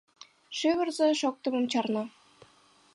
Шӱвырзӧ шоктымым чарна.